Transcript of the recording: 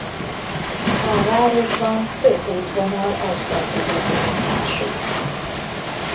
A városban több útvonal aszfaltozott borítású.